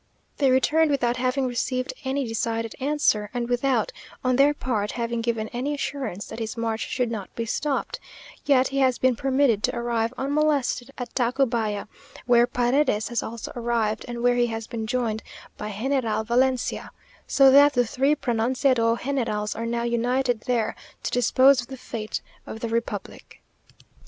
They returned without having received any decided answer, and without, on their part, having given any assurance that his march should not be stopped; yet he has been permitted to arrive unmolested at Tacubaya, where Paredes has also arrived, and where he has been joined by General Valencia; so that the three pronunciado generals are now united there to dispose of the fate of the republic....